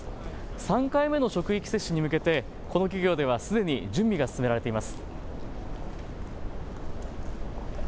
３回目の職域接種に向けてこの企業ではすでに準備が進められています。